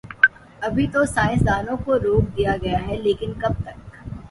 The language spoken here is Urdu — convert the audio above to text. ابھی تو سائنس دانوں کو روک دیا گیا ہے، لیکن کب تک؟